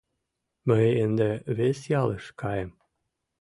Мый ынде вес ялыш каем.